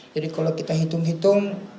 jadi kalau kita hitung hitung